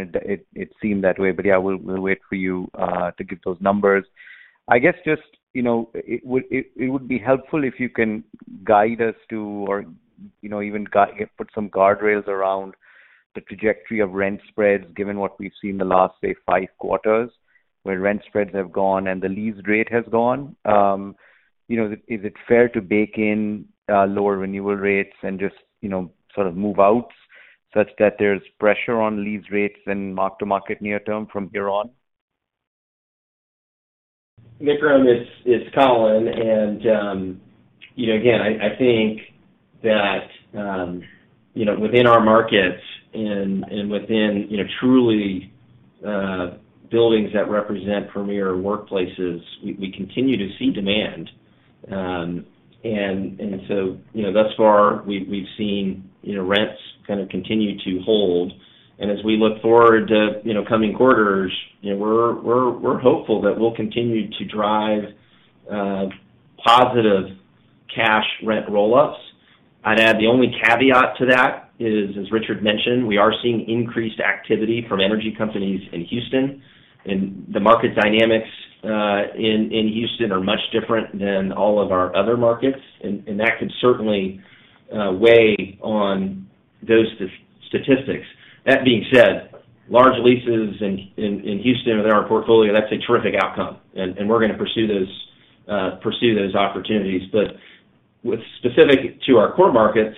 it seemed that way. Yeah, we'll wait for you to give those numbers. I guess just, you know, it would be helpful if you can guide us to or, you know, even put some guardrails around the trajectory of rent spreads given what we've seen in the last, say, five quarters, where rent spreads have gone and the lease rate has gone. You know, is it fair to bake in lower renewal rates and just, you know, sort of move outs such that there's pressure on lease rates and mark-to-market near term from here on? Vikram, it's Colin. You know, again, I think that, you know, within our markets and within, you know, truly, buildings that represent premier workplaces, we continue to see demand. You know, thus far we've seen, you know, rents kind of continue to hold. As we look forward, you know, coming quarters, you know, we're hopeful that we'll continue to drive positive cash rent roll-ups. I'd add the only caveat to that is, as Richard mentioned, we are seeing increased activity from energy companies in Houston, and the market dynamics in Houston are much different than all of our other markets, and that could certainly weigh on those statistics. That being said, large leases in Houston that are in our portfolio, that's a terrific outcome. We're gonna pursue those opportunities. With respect to our core markets,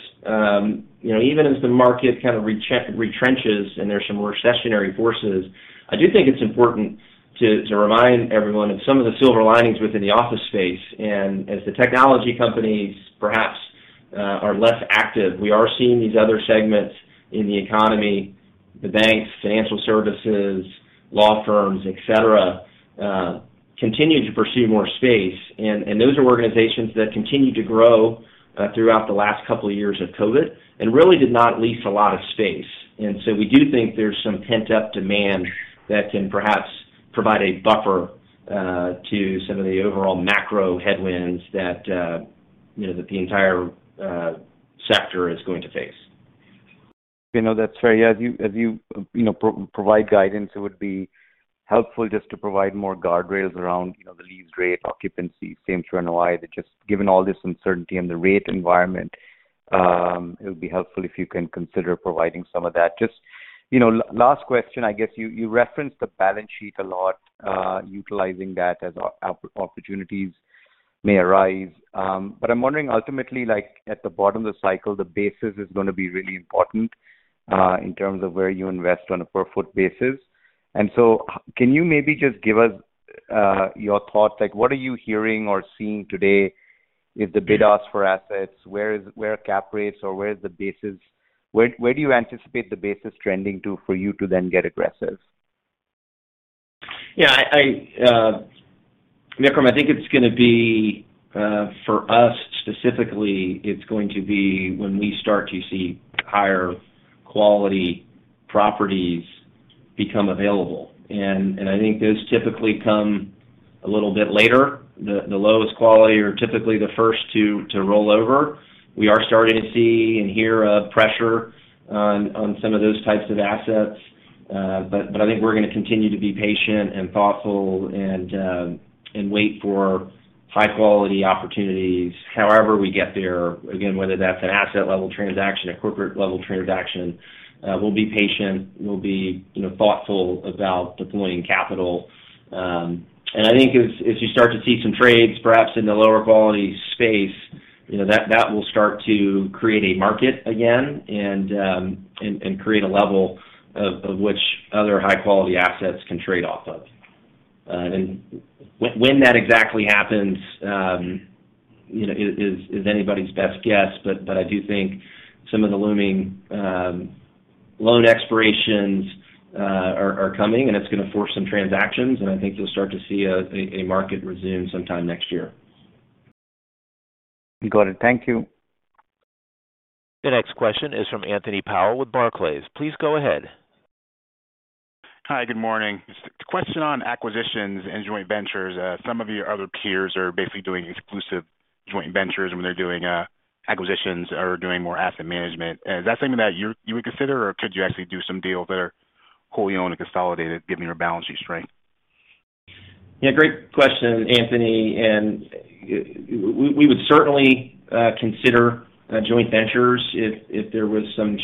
you know, even as the market kind of retrenches and there's some recessionary forces, I do think it's important to remind everyone of some of the silver linings within the office space. As the technology companies perhaps are less active, we are seeing these other segments in the economy, the banks, financial services, law firms, et cetera, continue to pursue more space. Those are organizations that continued to grow throughout the last couple of years of COVID and really did not lease a lot of space. We do think there's some pent-up demand that can perhaps provide a buffer to some of the overall macro headwinds that, you know, that the entire sector is going to face. You know, that's fair. Yeah, as you know, provide guidance, it would be helpful just to provide more guardrails around, you know, the lease rate, occupancy, same-property NOI just given all this uncertainty and the rate environment, it would be helpful if you can consider providing some of that. Just, you know, last question, I guess you referenced the balance sheet a lot, utilizing that as opportunities may arise. But I'm wondering ultimately, like at the bottom of the cycle, the basis is gonna be really important, in terms of where you invest on a per foot basis. So can you maybe just give us your thoughts like what are you hearing or seeing today is the bid-ask for assets, where cap rates or where is the basis. Where do you anticipate the basis trending to for you to then get aggressive? Yeah, I, Vikram, I think it's gonna be for us specifically, it's going to be when we start to see higher quality properties become available. I think those typically come a little bit later. The lowest quality are typically the first to roll over. We are starting to see and hear of pressure on some of those types of assets. But I think we're gonna continue to be patient and thoughtful and wait for high-quality opportunities. However we get there, again, whether that's an asset-level transaction, a corporate-level transaction, we'll be patient. We'll be, you know, thoughtful about deploying capital. I think as you start to see some trades perhaps in the lower quality space, you know, that will start to create a market again and create a level of which other high-quality assets can trade off of. When that exactly happens, you know, is anybody's best guess. I do think some of the looming loan expirations are coming, and it's gonna force some transactions, and I think you'll start to see a market resume sometime next year. Got it. Thank you. The next question is from Anthony Powell with Barclays. Please go ahead. Hi. Good morning. Just a question on acquisitions and joint ventures. Some of your other peers are basically doing exclusive joint ventures, or they're doing acquisitions or doing more asset management. Is that something that you would consider, or could you actually do some deals that are wholly owned and consolidated, given your balance sheet strength? Yeah, great question, Anthony. We would certainly consider joint ventures if there was some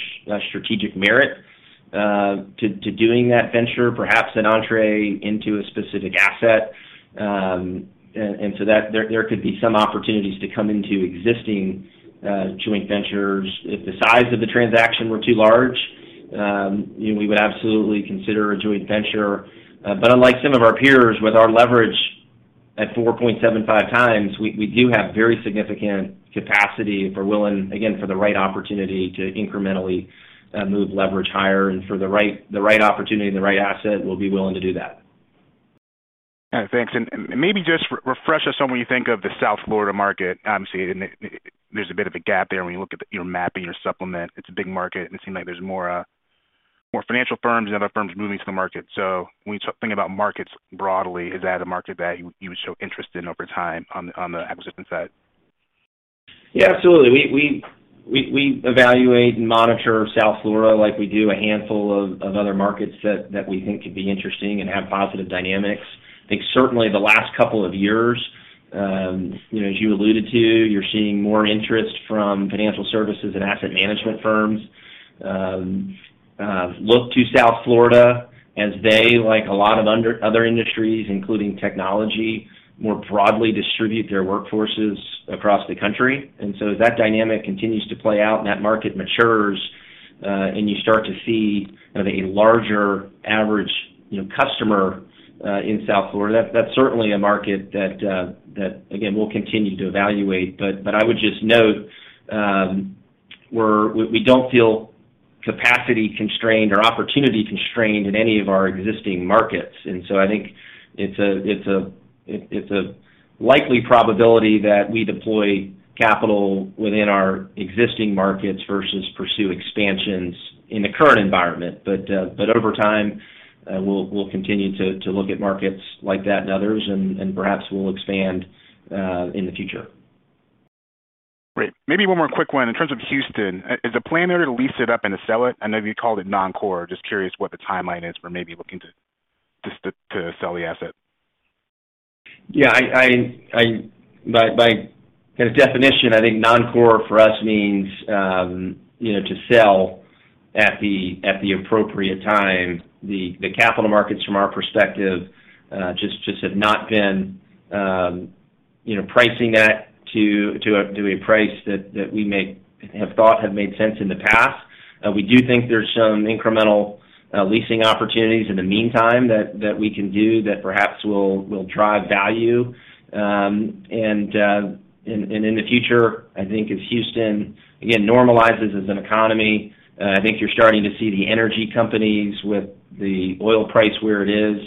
strategic merit to doing that venture, perhaps an entry into a specific asset. So that there could be some opportunities to come into existing joint ventures. If the size of the transaction were too large, you know, we would absolutely consider a joint venture. Unlike some of our peers, with our leverage at 4.75x, we do have very significant capacity, if we're willing, again, for the right opportunity to incrementally move leverage higher. For the right opportunity and the right asset, we'll be willing to do that. All right. Thanks. Maybe just refresh us on when you think of the South Florida market, obviously, and there's a bit of a gap there when you look at your mapping, your supplement. It's a big market, and it seems like there's more financial firms and other firms moving to the market. When you start thinking about markets broadly, is that a market that you would show interest in over time on the acquisition side? Yeah, absolutely. We evaluate and monitor South Florida like we do a handful of other markets that we think could be interesting and have positive dynamics. I think certainly the last couple of years, you know, as you alluded to, you're seeing more interest from financial services and asset management firms look to South Florida as they, like a lot of other industries, including technology, more broadly distribute their workforces across the country. As that dynamic continues to play out and that market matures, and you start to see kind of a larger average, you know, customer in South Florida, that's certainly a market that again, we'll continue to evaluate. I would just note, we don't feel capacity-constrained or opportunity-constrained in any of our existing markets. I think it's a likely probability that we deploy capital within our existing markets versus pursue expansions in the current environment. Over time, we'll continue to look at markets like that and others and perhaps we'll expand in the future. Great. Maybe one more quick one. In terms of Houston, is the plan there to lease it up and to sell it? I know you called it non-core. Just curious what the timeline is for maybe looking to just to sell the asset. Yeah. By kind of definition, I think non-core for us means, you know, to sell at the appropriate time. The capital markets from our perspective just have not been, you know, pricing that to a price that we may have thought have made sense in the past. We do think there's some incremental leasing opportunities in the meantime that we can do that perhaps will drive value. In the future, I think as Houston again normalizes as an economy, I think you're starting to see the energy companies with the oil price where it is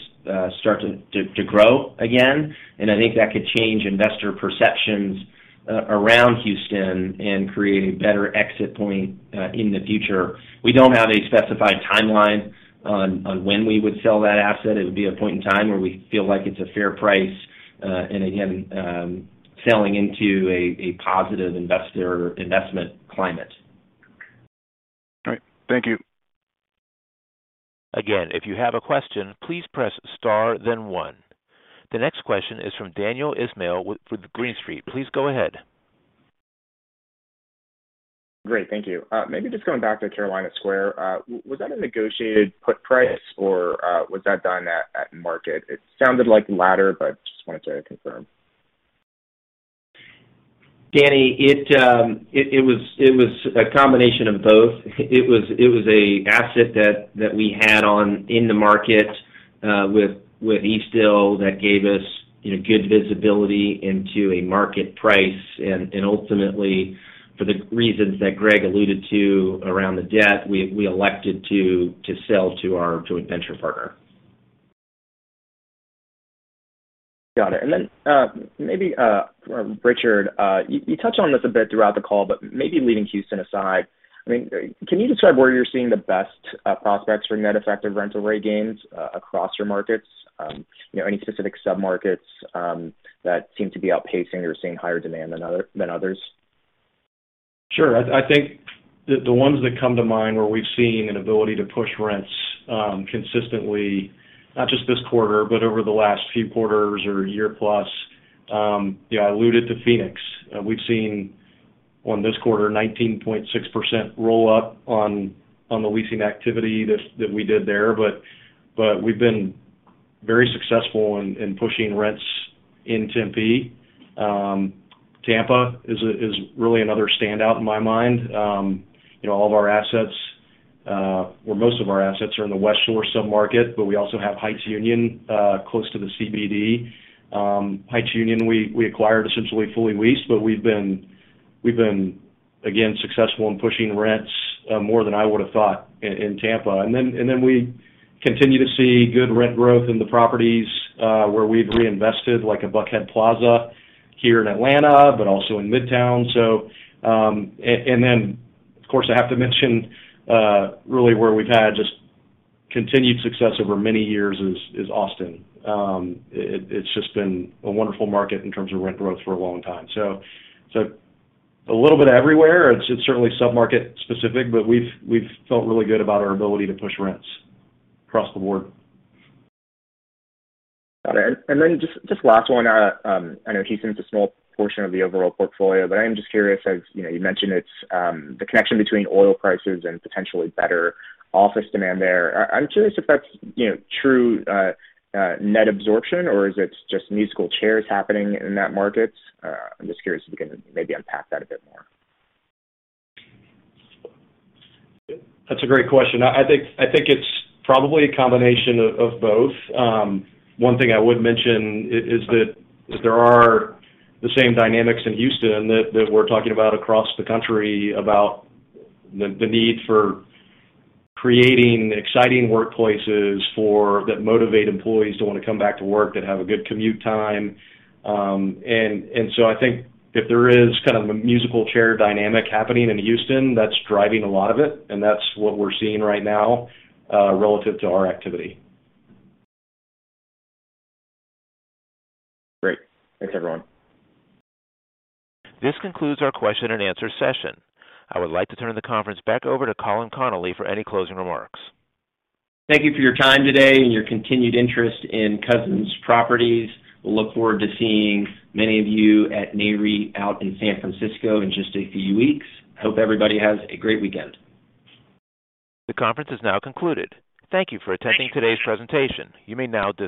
start to grow again. I think that could change investor perceptions around Houston and create a better exit point in the future. We don't have a specified timeline on when we would sell that asset. It would be a point in time where we feel like it's a fair price, and again, selling into a positive investor investment climate. All right. Thank you. Again, if you have a question, please press star then one. The next question is from Daniel Ismail with Green Street. Please go ahead. Great. Thank you. Maybe just going back to Carolina Square. Was that a negotiated put price or was that done at market? It sounded like the latter, but just wanted to confirm. Daniel, it was a combination of both. It was an asset that we had on the market with Eastdil that gave us, you know, good visibility into a market price and ultimately, for the reasons that Gregg alluded to around the debt, we elected to sell to a venture partner. Got it. Maybe Richard, you touched on this a bit throughout the call, but maybe leaving Houston aside, I mean, can you describe where you're seeing the best prospects for net effective rental rate gains across your markets? You know, any specific submarkets that seem to be outpacing or seeing higher demand than others? Sure. I think the ones that come to mind where we've seen an ability to push rents, consistently, not just this quarter, but over the last few quarters or year plus, you know, I alluded to Phoenix. We've seen on this quarter 19.6% roll up on the leasing activity that we did there. We've been very successful in pushing rents in Tempe. Tampa is really another standout in my mind. You know, all of our assets, or most of our assets are in the Westshore submarket, but we also have Heights Union, close to the CBD. Heights Union, we acquired essentially fully leased, but we've been again successful in pushing rents, more than I would have thought in Tampa. We continue to see good rent growth in the properties where we've reinvested, like a Buckhead Plaza here in Atlanta, but also in Midtown. Of course, I have to mention really where we've had just continued success over many years is Austin. It's just been a wonderful market in terms of rent growth for a long time. A little bit everywhere. It's certainly submarket-specific, but we've felt really good about our ability to push rents across the board. Got it. Then just last one. I know Houston's a small portion of the overall portfolio, but I am just curious, as you know, you mentioned it's the connection between oil prices and potentially better office demand there. I'm curious if that's you know, true net absorption or is it just musical chairs happening in that market? I'm just curious if you can maybe unpack that a bit more. That's a great question. I think it's probably a combination of both. One thing I would mention is that there are the same dynamics in Houston that we're talking about across the country about the need for creating exciting workplaces for that motivate employees to wanna come back to work, that have a good commute time. I think if there is kind of a musical chair dynamic happening in Houston, that's driving a lot of it, and that's what we're seeing right now relative to our activity. Great. Thanks, everyone. This concludes our question and answer session. I would like to turn the conference back over to Colin Connolly for any closing remarks. Thank you for your time today and your continued interest in Cousins Properties. We look forward to seeing many of you at Nareit out in San Francisco in just a few weeks. Hope everybody has a great weekend. The conference is now concluded. Thank you for attending today's presentation. You may now disconnect.